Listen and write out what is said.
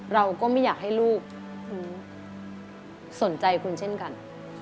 เราก็ไม่อยากให้ลูกสนใจคุณเช่นกัน